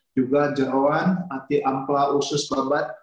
juga jerawan nanti ampla usus babat